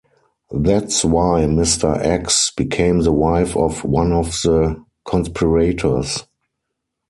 That's why Mr. X became the wife of one of the conspirators.